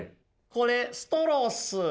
「これストローっす」。